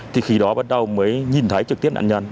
thì khi đó bắt đầu mới nhìn thấy trực tiếp nạn nhân